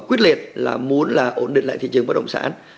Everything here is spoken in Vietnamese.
quyết liệt là muốn là ổn định lại thị trường bất động sản